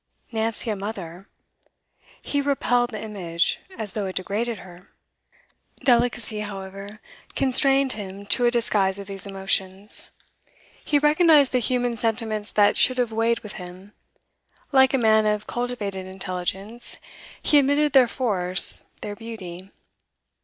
Nancy a mother he repelled the image, as though it degraded her. Delicacy, however, constrained him to a disguise of these emotions. He recognised the human sentiments that should have weighed with him; like a man of cultivated intelligence, he admitted their force, their beauty.